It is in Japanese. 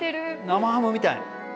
生ハムみたい。